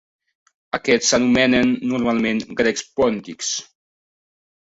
Aquests s'anomenen normalment Grecs Pòntics.